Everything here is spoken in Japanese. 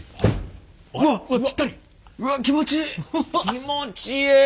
気持ちええ。